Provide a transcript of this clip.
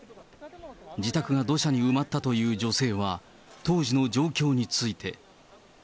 自宅が土砂に埋まったという女性は、当時の状況について。